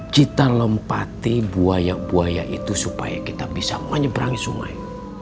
kita lompati buaya buaya itu supaya kita bisa menyeberangi sungai